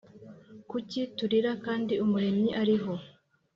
kuki turira kandi umuremyi ariho